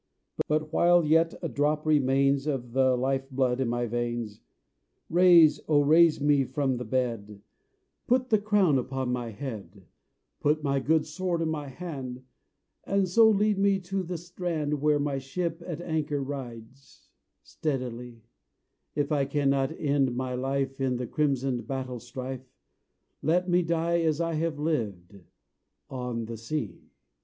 But while yet a drop remains Of the life blood in my veins, Raise, O raise me from the bed; Put the crown upon my head; Put my good sword in my hand, And so lead me to the strand, Where my ship at anchor rides Steadily; If I cannot end my life In the crimsoned battle strife, Let me die as I have lived, On the sea."